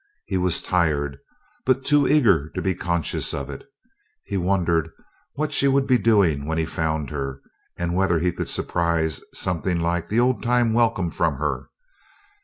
He was tired, but too eager to be conscious of it. He wondered what she would be doing when he found her, and whether he could surprise something like the old time welcome from her.